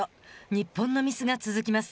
日本のミスが続きます。